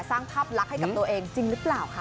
สร้างภาพลักษณ์ให้กับตัวเองจริงหรือเปล่าคะ